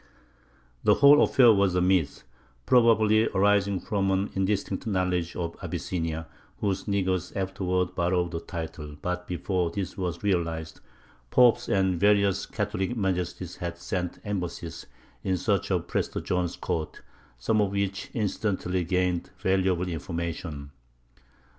The whole affair was a myth, probably arising from an indistinct knowledge of Abyssinia, whose negus afterward borrowed the title; but before this was realized popes and various "Catholic majesties" had sent embassies in search of Prester John's court, some of which incidentally gained valuable information.